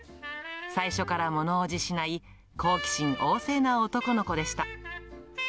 最初からものおじしない、好奇心旺盛な男の子でした。